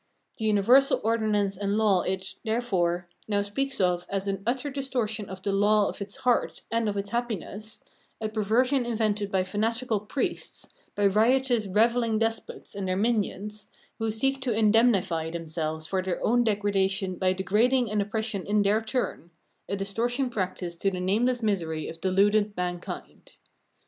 The universal ordinance and law it, therefore, now speaks of as an utter distortion of the law of its heart and of its happi ness, a perversion invented by fanatical priests, by riotous, revelling despots and their minions, who seek to indemnify themselves for their own degradation by degrading and oppressing in their turn — a distortion practised to the nameless misery of deluded man kind.